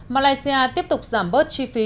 malaysia tiếp tục giảm bớt chi phí